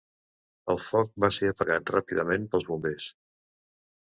El foc va ser apagat ràpidament pels bombers.